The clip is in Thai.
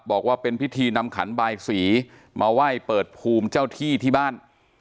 บอกว่าเป็นพิธีนำขันบายสีมาไหว้เปิดภูมิเจ้าที่ที่บ้าน